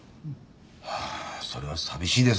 ああそれは寂しいですね。